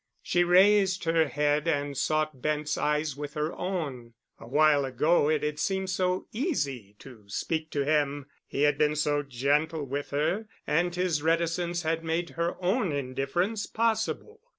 She raised her head and sought Bent's eyes with her own. A while ago it had seemed so easy to speak to him. He had been so gentle with her, and his reticence had made her own indifference possible.